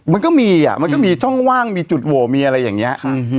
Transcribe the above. มันก็มีอ่ะมันก็มีช่องว่างมีจุดโหวมีอะไรอย่างนี้